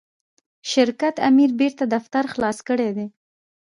شرکت آمر بیرته دفتر خلاص کړی دی.